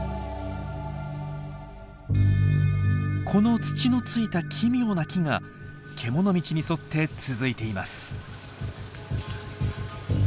この土のついた奇妙な木がけもの道に沿って続いています。